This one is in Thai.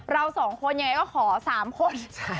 เราสองคนยังไงก็ขอสามคน